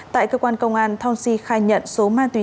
tại cơ quan công an thong si khai nhận số ma túy